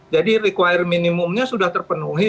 jadi requirement minimumnya sudah terpenuhi